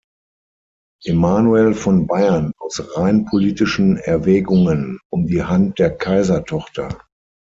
Emanuel von Bayern aus rein politischen Erwägungen um die Hand der Kaisertochter.